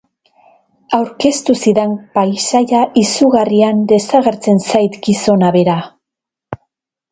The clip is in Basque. Aurkeztu zidan paisaia izugarrian desagertzen zait gizona bera.